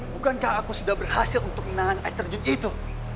bukankah aku sudah berhasil untuk menahan air terjun itu